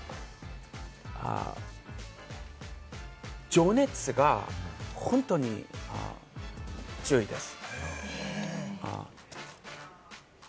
情熱が本当に強いです。